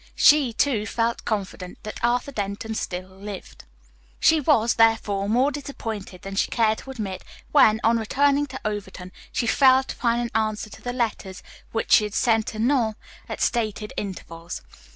She, too, felt confident that Arthur Denton still lived. She was, therefore, more disappointed than she cared to admit when, on returning to Overton, she failed to find an answer to the letters which she had sent to Nome at stated intervals.